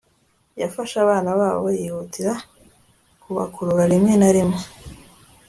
yafashe abana babo yihutira kubakurura. rimwe na rimwe, a